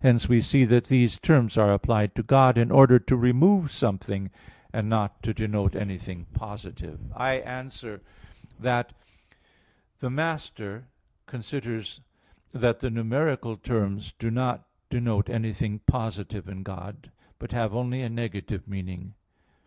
Hence we see that these terms are applied to God in order to remove something; and not to denote anything positive. I answer that, The Master (Sent. i, D, 24) considers that the numeral terms do not denote anything positive in God, but have only a negative meaning.